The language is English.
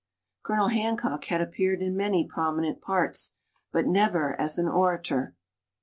Colonel Hancock had appeared in many prominent parts, but never as an orator.